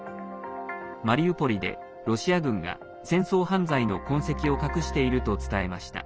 マリウポリでロシア軍が戦争犯罪の痕跡を隠していると伝えました。